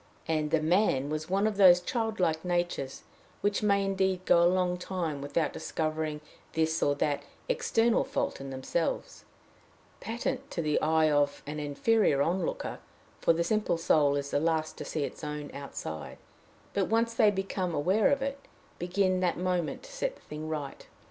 And the man was one of those childlike natures which may indeed go a long time without discovering this or that external fault in themselves, patent to the eye of many an inferior onlooker for the simple soul is the last to see its own outside but, once they become aware of it, begin that moment to set the thing right.